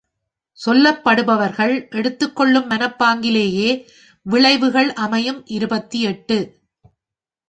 சொல்லப்படுபவர்கள் எடுத்துக் கொள்ளும் மனப்பாங்கிலேயே விளைவுகள் அமையும் · இருபத்தெட்டு.